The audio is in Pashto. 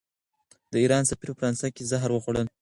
د ایران سفیر په فرانسه کې زهر وخوړل.